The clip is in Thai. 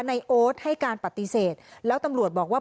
โอ๊ตให้การปฏิเสธแล้วตำรวจบอกว่า